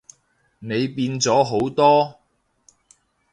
你變咗好多